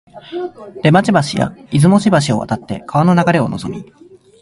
出町橋や出雲路橋を渡って川の流れをのぞみ、